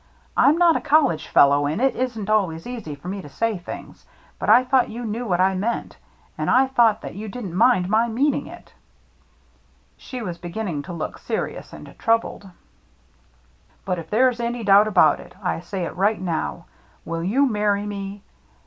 I'm not a college fellow, and it isn't always easy for me to say things, but I thought you knew what I meant. And I thought that you didn't mind my meaning it." AT THE HOUSE ON STILTS 75 She was beginning to look serious and troubled. " But if there is any doubt about it, I say it right now. Will you marry me